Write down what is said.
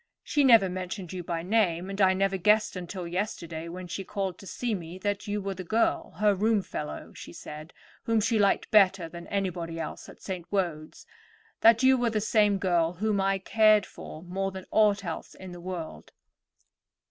She never mentioned you by name, and I never guessed until yesterday, when she called to see me, that you were the girl, her roomfellow, she said, whom she liked better than anybody else at St. Wode's—that you were the same girl whom I cared for more than aught else in the world."